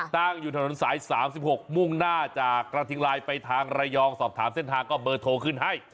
ตั้งอยู่ถนนสาย๓๖มุ่งหน้าจากกระทิงลายไปทางระยองสอบถามเส้นทางก็เบอร์โทรขึ้นให้